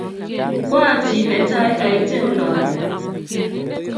Koachi netai aite oloe